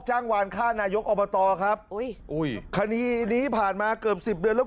จ้างวานค่านายกอบตครับคณีนี้ผ่านมาเกือบ๑๐เดือนแล้ว